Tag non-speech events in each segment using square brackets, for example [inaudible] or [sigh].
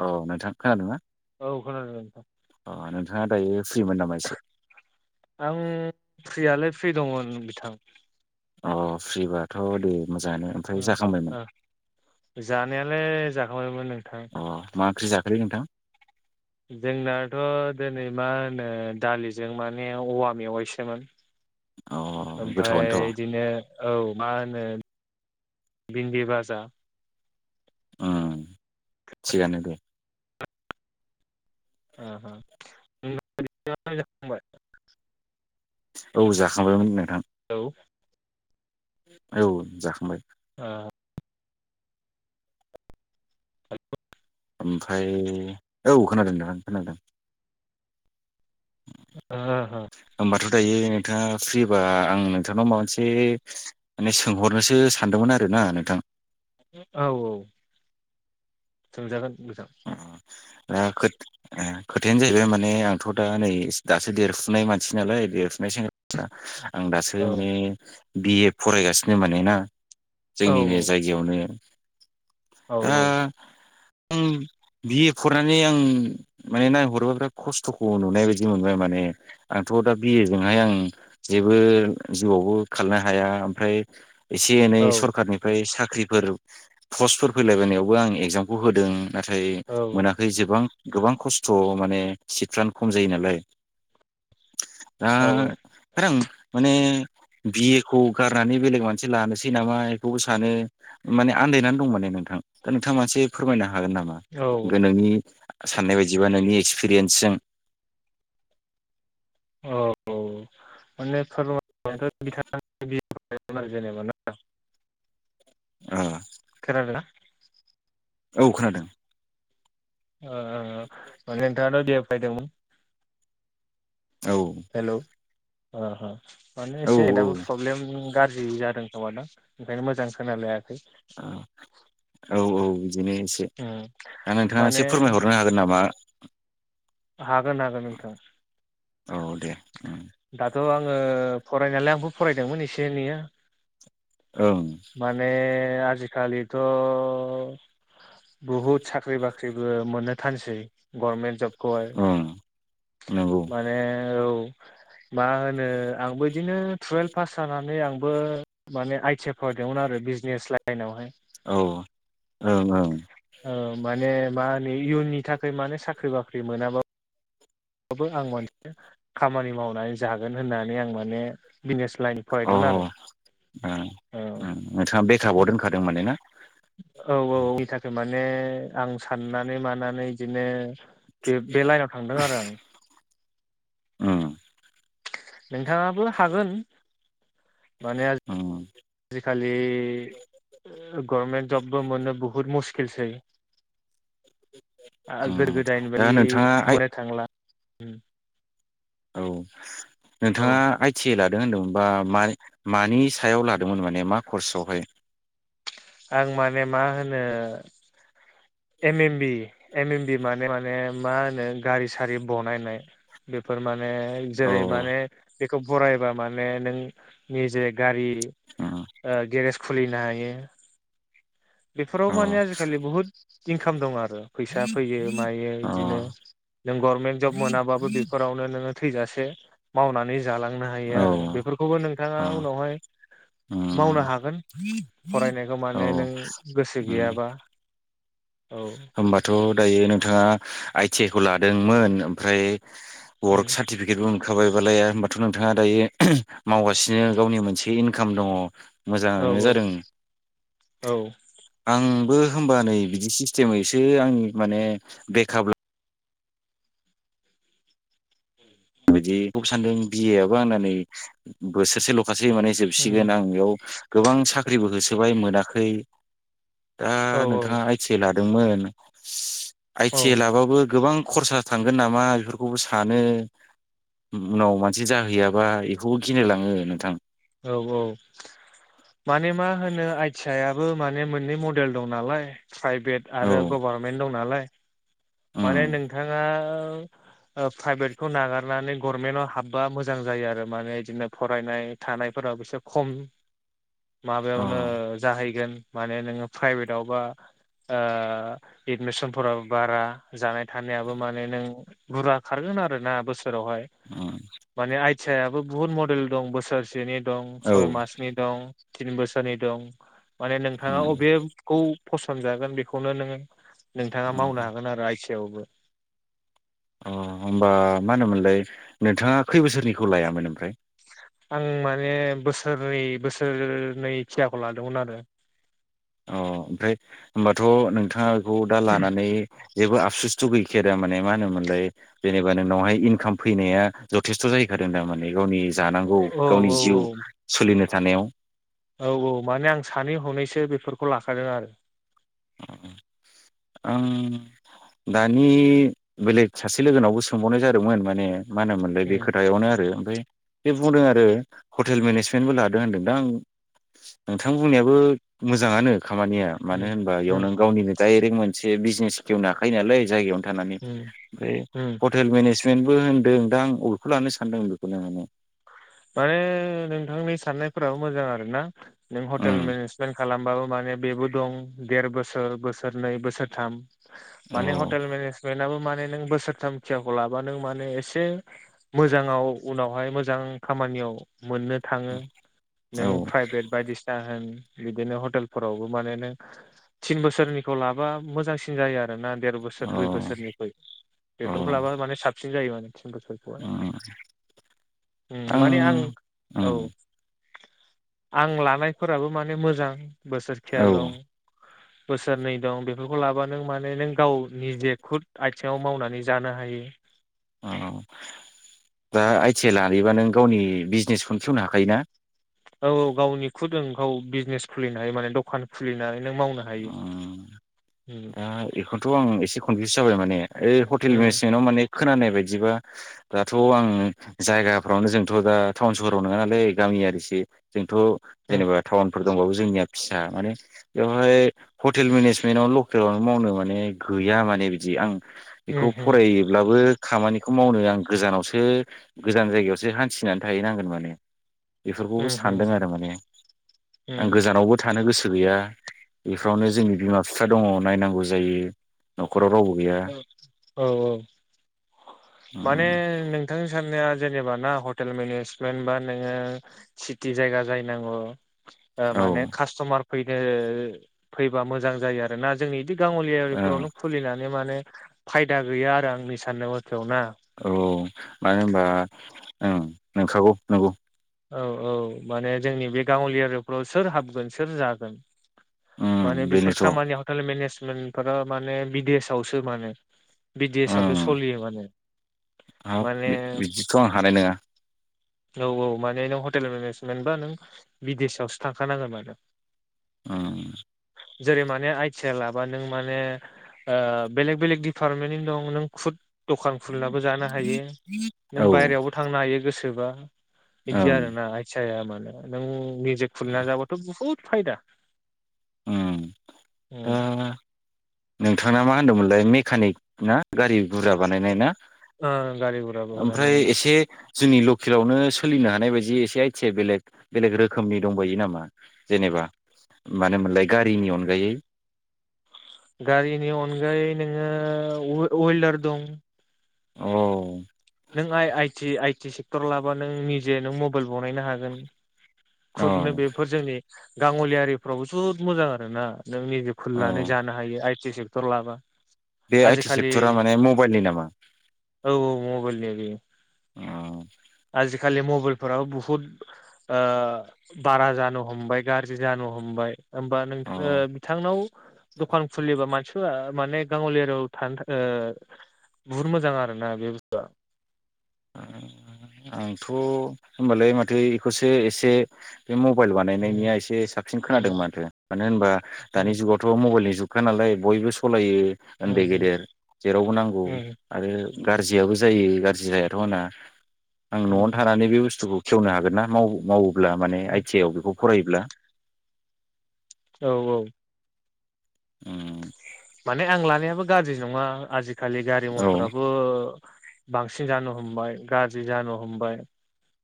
औ [inaudible] नोंथां खोनादों ना? औ खोनादों। अ नोंथाङा दायो फ्रिमोन नामा एसे? आं फ्रियालाय फ्रि दंमोन बिथां। अ फ्रिबाथ' दे मोजाङानो ओमफ्राय जाखांबायमोन? जानायालाय जाखांबायमोन नों अ मा ओंख्रि जाखोलै नोंथां? जोंनाथ' दिनै मा होनो दालिजों माने औवा मेवाइसोमोन। अ ओमफ्राय गोथावआनोथ' इदिनो औ मा होनो भिन्दि बाजा। उम थिगानो दे। ओ ओ [inaudible] औ जाखांबायमोन नोंथां। औ। औ जाखांबाय। ओ। [unintelligible] ओमफ्राय औ खोनादों नोंथां खोनादों। हो हो। होमबाथ' दायो नोंथाङा फ्रिबा आं नोंथांनाव माबा मोनसे माने सोंहरनोसो सानदोंमोन आरोना नोंथां। औ औ। सों जागोन। मोजां। दा खोथ खोथायानो जाहैबाय माने आंथ' दा नै दासो देरफुनाय मानसि नालाय देरफुनाय सेंग्रा सा आं दासो औ माने बि-ए फरायगासिनो माने ना। औ जोंनिनो जायगायावनो औ दा [inaudible] बि-ए फरायनानै आं माने नायहरोबा बिराद खस्थ'खौ नुनाय बायदि मोनबाय माने आंथ' दा बि-ए जों हाय आं जेबो जिउआवबो खालामनो हाया ओमफ्राय एसे एनै औ सरखारनिफ्राय सा ख्रिफोराव। पसफोर फैलायबायनायावबो आं एक जामखौ होदों। नाथाय मोनाखै एसेबां गोबां खस्थ' माने सिटफ्रानो खम जायो नालाय। दा औ ओंखायनो आं माने बि-ए खौ गारनानै बेलेग मोनसे लानोसै नामा इखौबो सानो माने आन्दायनानै दं माने नोंथां दा नोंथाङा एसे फोरमायनो हा हागोन नामा? औ [unintelligible] साननाय बायदिबा नोंनि एक्सपिरियेन्सजों [unintelligible] [unintelligible] [unintelligible] जेनेबा ना। ओ। खोनादों ना। [inaudible] औ खोनादों। ओ मानि [unintelligible] फायदों औ। ओ ओ माने औ एसे दाबो प्रब्लेम गाज्रि जादों। [unintelligible] ओंखायनो मोजां [unintelligible] औ औ बिदिनो एसे उम दा नोंथाङा माने एसे फोरमायहरनो हागोन नामा? हागोन हागोन नोंथां। औ दे ओं दाथ' आङो फरायनायालाय फरायदोंमोन एसे एनैया। माने आजि खालिथ' बहुत साख्रि बाख्रिबो मोनो। थानसै गभार्नमेन्ट जबखौहाय ओं नंगौ माने औ [inaudible] मा होनो आंबो इदिनो टुवेल्भ पास जानानै आंबो माने आइ टि आइ फरायदोंमोन आरो बिजनेस लाइनवहाय औ ओं औ माने मा होनो इयुननि थाखाय माने साख्रि बाख्रि मोनाब्ला बो आं मानसे खामानि मावनानै जागोन होननानै आं माने बिनेस अ अ ओ नोंथाङा बेकआपआव दोनखादों माने ना? नो आं साननानै मानानै बिदिनो बे बे लाइनाव थांदों आरो आं। अ नोंथाङाबो हागोन माने आजिखालि गभर्मेन्ट जबबो मोननो बहुत मुस किलसै ओ उम गोदो गोदायनि दा नोंथाङा बायदि आइ मोननो थांला। उम औ औ नोंथाङा आइ टि आइ लादों होनदोंमोन। बा मा मानि सायाव लादोंमोन माने मा खर्सआवहाय? आं माने मा होनो M M B M M B माने माने मा होनो गारि सारि बनायनाय बेफोर मा ने औ जेरै माने‌ बे खौ बरायबा माने नों निजे गारि औ ओ गेरेश खुलिनो हायो। बेफोराव अ माने आजिखालि बुहुद इनखाम दं आरो फैसा फैयो मायो इदिनो नों गरमेन्ट जब मोनाबाबो बेफोरावनो नोङो थैजासे मावनानै जालांनो हायो औ आरो बेफोरखौबो नोंथाङा अ उनावहाय मावनो उम हागोन फरायनाय औ माने नों गोसो उम गैयाबा औ होमबाथ' दायो नों थाङा आइ टि आइ खौ लादोंमोन ओमफ्राय वर्क सार्थिफिकेटबो मोनखाबाय। बालाया होमबाथ' नोंथाङा दायो [unintelligible] मावगासिनो गावनि मोनसे इनखाम दङ' औ मोजाङानो औ जादों औ आं बो होमबा नै बिदि सि थिममैसो आं माने बेकआप ला बिदि ब‍' सानदों बि ए आबो आंना नै बोसोरसेल' खासे माने उम जोबसिगोन आं बेयाव गोबां साख्रिबो होसोबाय मोनाखै। दा औ नोंथाङा आइ टि आइ लादोंमोन। आइ औ थि आइ लाबाबो गोबां खरसा थांगोन नामा बेफोरखौबो सानो। उनाव मानसि जाहैयाबा इखौबो गिलायलाङो नोंथां। औ औ माने मा होनो आइ थि आइया बो माने मोननै मडेल दं नालाय। फ्राइभेट औ आरो गबारमेन्ट दं नालाय। माने उम नोंथाङा ओ फ्राइभेटखौ नागारनानै गरमेनाव हाबबा मोजां जायो आरो माने बिदिनो फरायनाय थानायफोराबो से खम अ माबायावनो जाहैगोन। माने नोङो फ्राइभेटआवबा ओ एडमिसन फोराबो बारा। जानाय थानायाबो माने नों बुरला खारगोन आरो ना बोस फोरावहाय उम माने आइ आदसायाबो बहुत मडेल दं बोसोरसेनि दं औ सय मासनि दं। तिन बोसोरनि दं। माने नोंथाङा उम अबेखौ फसन जागोन बेखौनो नोङो नोंथाङा मावनो उम हागोन आरो आइ सेवबो। अ होमबा माहोनोमोनलाय नोंथाङा खै बोसोरनिखौ लायामोन ओमफ्राय? आं माने बोसोरनै बोसोरनै खियाखौ लादोंमोन आरो अ ओमफ्राय होनोमबाथ' नोंथाङा खौ दा लानानै जेबो सुस्थ' गैखाया माने मा होनोमोनलाय जेनेबा नोंनावहाय इनकाम फैनाया जथेस्थ' जाहैखादों थामाने गावनि जानांगौ औ गावनि जिउ औ सोलिनो। थानायाव। औ औ माने आं सानै हनैसो बेफोरखौ लाखादों आरो आं दानि बेलेग सासे लोगोनावबो सोंबावनाय जादोंमोन माने मा होनोमोनलाय बे उम खोथायावनो आरो ओमफ्राय बे बुंदों आरो हटेल मेनेजमेन्टबो लादों होनदों दा आं नोंथां बुंनायाबो मोजाङानो खामानिया मानो उम होनबा उम बेयावनों गावनिनो डाइरेक्ट मोनसे बिजनेस खेवनो हाखायो नालाय जायगायावनो जानानै उम ओमफ्राय उम हटेल मेनेज ट्रेन्टबो होनदों दा आं अबेखौ लानो सानदों बेखौनो माने माने नोंथांनि साननायफोराबो मोजां आरोना नों हटेल उम मेनेजमेन्ट खालामबाबो माने बेबो दं देर बोसोर बोसोरनै बोसोरथाम औ माने हटेल मेनेजमेन्टआबो मा नों बोसोरथामखियाखौ लाबा नों माने एसे मोजांयाव उनावहाय मोजां खामानियाव मोननो थाङो नों औ प्राइभेट बायदिसिना होन बिदिनो हटेलफोरावबो माने नों थिन बोसोरनिखौ लाबा मोजांसिन जायो आरो आरोना देर बोसोर औ दुइ बोसोरनि औ बेफोरखौ लाबा माने साबसिन जायो मान थिन बोसोरखौहाय उम उम माने आं औ ओं आं लानायफोराबो माने मोजां बोसोर खिया औ दं बोसोरनै दं बेफोरखौ लाबा नों माने नों गाव निजे खुद आथिङाव मावनानै जानो हायो औ दा आइ टि आइ लायैबा नों गावनि बिजनेसखौनो खेवनो हाखायोना औ औ गावनिखुदुं औ बिजनेस खुलिनय माने दखान खुलिनाय नों मावनो हायो उम ओ बेखौनोथ' आं एसे कनफिउस जाबाय माने ओइ हटेल उम मेनेजमेन्टाव माने खोनानाय बायदिबा दाथ' आं जायगाफ्रावनो जोंथ' दा टाउन सहराव नङा नालै गामियारिस जों थ' उम जेनेबा थावां फोर दं जोंनिआ फिसा माने बेआवनोलोय हटेल मेन्ज मेनावल खोलां मावनो माने गैया माने बिदि आं बेखौ उम फरायोब्लाबो खामानिखौ मावनो आं गोजानावसो गोजान जायगायावसो हान्थिनानै थाहैनांगोन माने। बेफोरखौबो उम उम सानदों आरो माने आं उम गोजानावबो थानो गोसो। गैया बेफोरावनो जोंनि बिमा बिफ दङ नायनांगौ जायो। रावबो गैया औ औ। माने नोंथांनि सान्नाया। जेनेबा ना हटेल मेनेजमेन्ट बा नोङो सिटि जायगा जाहोयनांगौ। ओ औ माने कास्ट'मार। फैनो फैबा मोजां जायो आरो ना जोंनि। बिदि गाङलिआ फोरावनो खुलिनानै माने। फायदा गैया आरो आंनि साननायावाथ'। औ मानो होनबा। ओं नंखागौ नंगौ। औ औ माने जोंनि बे गांलिआ एरियाफ्राव सोर हाबगोन सोर जागोन। उम माने बेफोर बेनोथ' खामानि हटेल मेनेज मेनफोरा माने बिदि सावसो माने अ बिदेशआवसो सोलियो माने हाब माने बिदिथ' आं हानाय नङा। औ औ माने। बे नों हटेल मेनेजमेन्ट बा नों बिदेस आआवसो थांखानांगोन आरो। उम जेरै माने आइ- आइ टिआइ लाबा‌नों माने ओ बेलेग बेलेग दिफारमेन्टनि दं नो खुद दखान खुलनाबो जानो हायो औ नों बायहेरायावबो थांनो हायो गोसो सोरबा। दिग ओं जागोन‌ आइ टिआइआ माने नों। निजे खुलिना जाबथ' बहुत। फायदा। उम दा। नोंथांआ‌ मा होनदोंमोनलाय मेकानिक। ना गारि गुरा बानायनाय ना गारि गुरा बहरानो ओमफ्राय एसे। जोंनि लकेलावनो सोलिनो हानाय बायदि एसे आइथिया बेलेग बेलेग रोखोमनि दंबायो नामा जेनेबा मानो मोनलाय गारिनि अनगायै गारिनि अनगायै नोङो उवेलदार दं औ। नों आइ-आइटि-आइटि सेक्टर लाब्ला नों निजे नों मबाइल बनायनो हागोन। खुदनो औ बेफोर जोंनि गाङलिय आरि फ्रावबो थ'। मोजां आरो ना। नों निजे औ खुलिनानै जानो हायो आइटि जों। थर लाबा। बे आइ टि आजिखालि सेक्टरा माने मबाइलनि नामा? बे-बे। अ। आजिखालि मबाइलफोराव बुहुद ओ बारा जानो हमबाय गाज्रि जानो हमबाय। होमबा नोंथां अ ओ बिथांनाव। दखान खुलिबा मानसिफोरा माने गाङलियाआरि‌ थानो थाखाय ओ बुहुत मोजां आरो ना बे बुस्थुआ। ओ आंथ' होनबालाय माथो एखौसो एसे। बे मबाइल उम बानायनायनिया एसे साबसिन उम खोनादों माथो मानो होनबा दानि उम जुगावथ' मबाइलनि जुग। अखा नालाय बयबो सलायो। उम उन्दै, गेदेर जेरावबो नांगौ उम आरो। गाज्रियाबो जायो गाज्रि जाया। दना। आं न'आवनो उम थानानै बे बुस्थुखौ। खेवनो हागोनना माव-माव। ब्ला माने उम आइ-थि -आइ आव बेखौ। फरायोब्ला। औ-औ। ओम। माने आं लानायाबो गाज्रि नङा आजिग। खालि गारि औ मथराबो। बांसिन जानो हमबाय गाज्रि जानो हमबाय।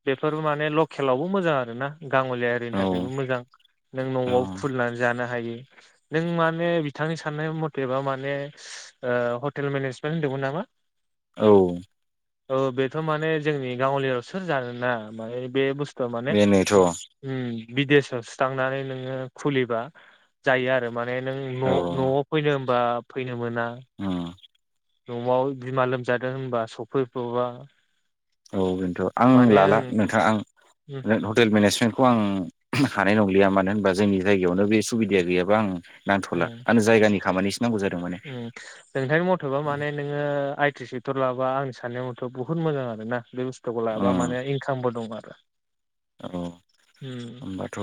बेफोर माने लकेलावबो मोजां आरो। नों ना। गाङलिया आरिनि औ थाखायबो मोजां नों औ न'आव खुलिनानै जानो हायो। नों माने बिथांनि सो। साननाय मत। बेबा माने ओ हटेल मेनेजमेन्ट होन्दोंमोन नामा? औ। औ बेथ' माने जोंनि गाङलियाव सेल जागोनना माने बे बुस? त' माने बेनोथ' उम। बिदेसआव सो थांनानै नोङो खुलिबा जायो आरो। माने नों औ न'-न'आव। ओमबा फैनो मोना। उम न'आव बिमा लोमजादों होनबा सफैब्रबा। औ बेन्थ' आं माने लाला ओं नोंथां आं उम जों हटेल मेनेजमेन्टखौ आं उम हानाय नंलिया मानो होनबा जोंनि जायगायावनो बे सुबिदाया गैयाबा आं नांथ'ला उम आंनो जायगानि खामानिस उम नोंथांनि मथेबा माने नोङो आइ टि सेक्टर लाबा आं साननायावथ' बुहुत मोजां आरो ना बे बुस थुखौ लाबा उम माने इनकामबो दं आरो। औ उम होमबाथ'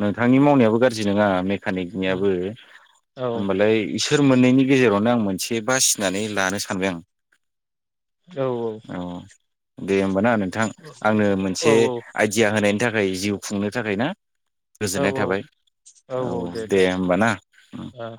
नोंथांनि मावनायाबो गाज्रि नोङा उम मेकानिकनियाबो औ होमबालाय इसोर मोननैनि गेजेरावनो आं मोनसे बासिनानै लानो सानबाय आं। औ औ दे होमबाना नोंथां आंनो औ मोनसे आइडिया होनायनि थाखाय जिउ खुंनो जागायना। औ गोजोननाय औ थाबाय औ दे होमबाना उम। ओ